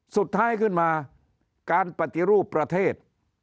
สุดท้ายขึ้นมาการปฏิรูปประเทศ